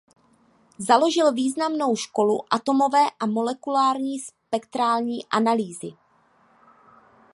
Založil významnou školu atomové a molekulární spektrální analýzy.